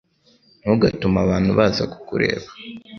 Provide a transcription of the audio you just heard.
ntugatume abantu baza kukureba